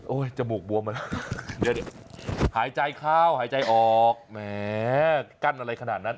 โอ้ยจมูกบวมมากหายใจเข้าหายใจออกแม่กั้นอะไรขนาดนั้น